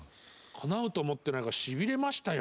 かなうと思ってないからしびれましたよ。